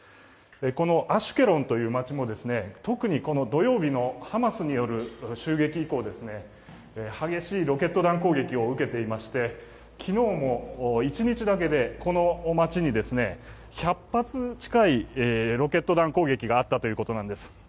このアシュケロンという街も特に土曜日のハマスによる襲撃以降、激しいロケット弾攻撃を受けていまして、昨日一日だけでこの街に１００発近いロケット弾攻撃があったということなんです。